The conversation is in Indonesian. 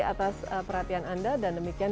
atas perhatian anda dan demikian